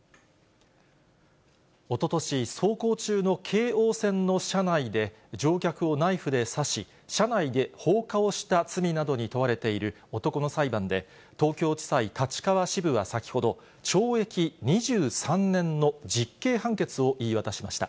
おととし、走行中の京王線の車内で、乗客をナイフで刺し、車内で放火をした罪などに問われている男の裁判で、東京地裁立川支部は先ほど、懲役２３年の実刑判決を言い渡しました。